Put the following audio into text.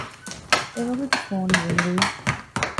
އެވަގުތު ފޯން ރިންގްވި